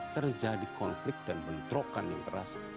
terjadi konflik dan bentrokan yang keras